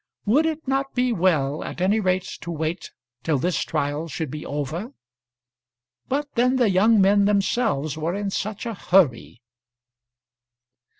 Would it not be well at any rate to wait till this trial should be over? But then the young men themselves were in such a hurry!